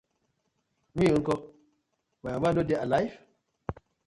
Mi nko, my mama no dey alife?